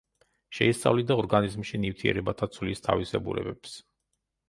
შეისწავლიდა ორგანიზმში ნივთიერებათა ცვლის თავისებურებებს.